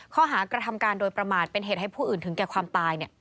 ข้อหากระทำการโดยประมาทเป็นเหตุให้ผู้อื่นถึงแก่ความตาย